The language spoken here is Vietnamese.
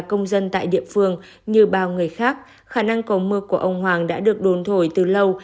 công dân tại địa phương như bao người khác khả năng cầu mưa của ông hoàng đã được đồn thổi từ lâu